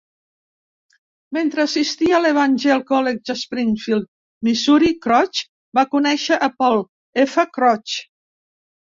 Mentre assistia a l'Evangel College a Springfield, Missouri, Crouch va conèixer a Paul F. Crouch.